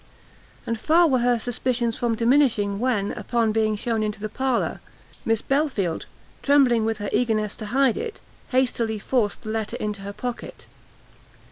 And far were her suspicions from diminishing, when, upon being shown into the parlour, Miss Belfield, trembling with her eagerness to hide it, hastily forced the letter into her pocket.